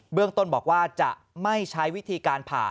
เรื่องต้นบอกว่าจะไม่ใช้วิธีการผ่า